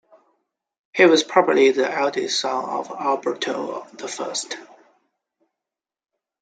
He was probably the eldest son of Umberto the First.